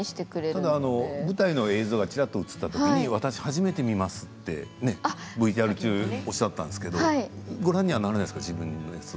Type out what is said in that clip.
さっき舞台映像がチラッと映った時私初めて見ますっていうＶＴＲ中におっしゃったんですけどご覧にはならないですか？